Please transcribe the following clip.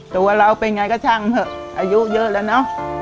ตัวเราเป็นไงก็ช่างเถอะอายุเยอะแล้วเนอะ